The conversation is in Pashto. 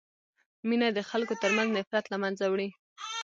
مینه د خلکو ترمنځ نفرت له منځه وړي.